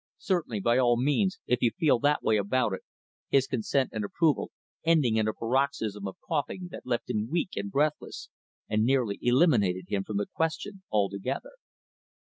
Certainly by all means if you feel that way about it " his consent and approval ending in a paroxysm of coughing that left him weak and breathless, and nearly eliminated him from the question, altogether.